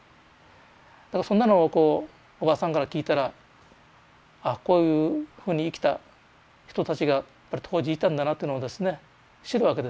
だからそんなのをこうおばさんから聞いたらあっこういうふうに生きた人たちがやっぱり当時いたんだなっていうのをですね知るわけですよ。